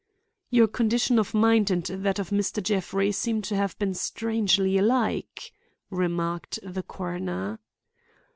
"Your condition of mind and that of Mr. Jeffrey seem to have been strangely alike," remarked the coroner.